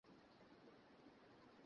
নিচের দিকে তাকাও।